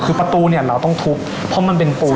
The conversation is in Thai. คือประตูเนี่ยเราต้องทุบเพราะมันเป็นปู